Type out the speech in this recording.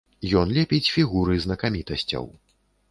Ён лепіць фігуры знакамітасцяў.